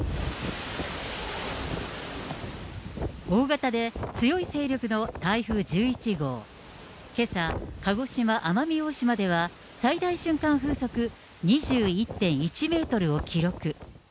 大型で強い勢力の台風１１号、けさ、鹿児島・奄美大島では、最大瞬間風速２１．１メートルを記録。